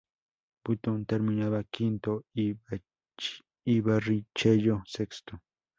Button terminaba quinto y Barrichello sexto.